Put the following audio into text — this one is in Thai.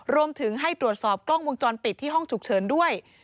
รวมถึงให้ตรวจสอบกล้องวงจรปิดที่ห้องฉุกเฉินด้วย